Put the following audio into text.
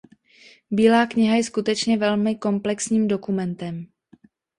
Bílá kniha je skutečně velmi komplexním dokumentem.